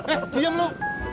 eh diam lu